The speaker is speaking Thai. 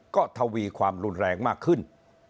ก็ทวีความรุนแรงมากขึ้น